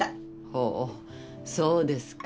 ほうそうですか。